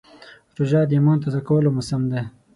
روژه د ایمان تازه کولو موسم دی.